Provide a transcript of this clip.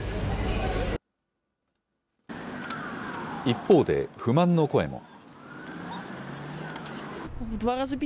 一方で不満の声も。